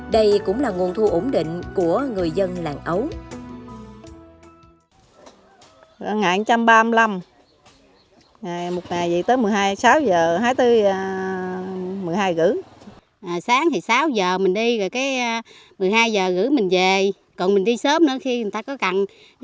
đây cũng là nguồn thu nhập của các bạn